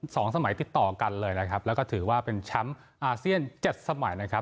สองสมัยติดต่อกันเลยนะครับแล้วก็ถือว่าเป็นแชมป์อาเซียนเจ็ดสมัยนะครับ